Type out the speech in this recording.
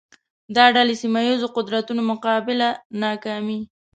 دا ډلې سیمه ییزو قدرتونو مقابله ناکامې